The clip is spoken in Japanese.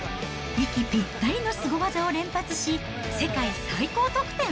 息ぴったりのすご技を連発し、世界最高得点。